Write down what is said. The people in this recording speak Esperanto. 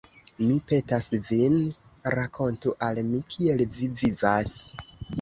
Mi petas vin, rakontu al mi, kiel vi vivas.